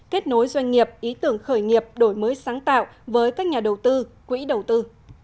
kết nối doanh nghiệp ý tưởng khởi nghiệp đổi mới sáng tạo với các nhà đầu tư quỹ đầu tư